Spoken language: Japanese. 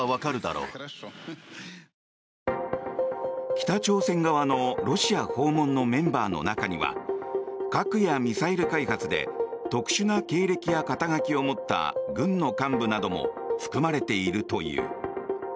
北朝鮮側のロシア訪問のメンバーの中には核やミサイル開発で特殊な経歴や肩書を持った軍の幹部なども含まれているという。